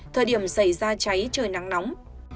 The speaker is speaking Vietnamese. thời điểm xảy ra cháy trời nắng nóng